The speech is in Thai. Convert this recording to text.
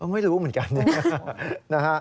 ไม่รู้เหมือนกัน